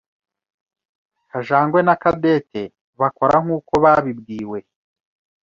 Kajangwe Na Cadette bakora nkuko babibwiwe.